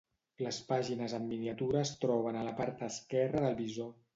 Les pàgines en miniatura es troben a la part esquerra del visor.